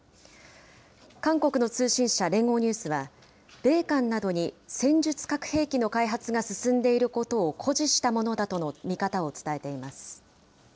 韓国の通信社、連合ニュースは、米韓などに戦術核兵器の開発が進んでいることを誇示したものだとの見方を伝えています。